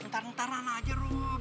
ntar ntar nana aja rum